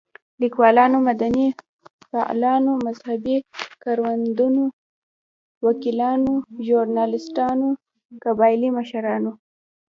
ليکوالانو، مدني فعالانو، مذهبي ګوندونو، وکيلانو، ژورناليستانو، قبايلي مشرانو